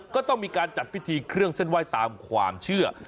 ก็ต้องมีการจัดพิธีเครื่องเส้นไหว้ตามความเชื่อ